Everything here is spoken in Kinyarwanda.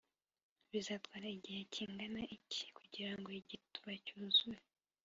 bizatwara igihe kingana iki kugirango igituba cyuzure?